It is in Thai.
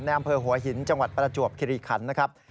อำเภอหัวหินจังหวัดประจวบคิริขันนะครับ